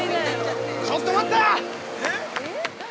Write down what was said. ◆ちょっと待った！